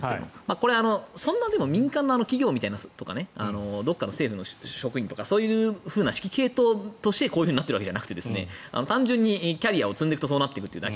これはそんな民間の企業とかどこかの政府の職員とかそういう指揮系統としてこうなっているわけではなくて単純にキャリアを積むとそうなると。